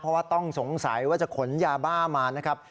เพราะว่าต้องสงสัยว่าจะขนยาบ้ามานะครับ